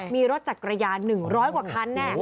มีรถจักรยาน๑๐๐กว่าคัน